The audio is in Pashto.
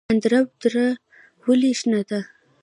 اندراب دره ولې شنه ده؟